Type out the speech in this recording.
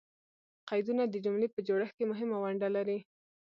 قیدونه د جملې په جوړښت کښي مهمه ونډه لري.